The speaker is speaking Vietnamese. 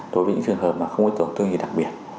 đối với những trường hợp mà không có tổn thương gì đặc biệt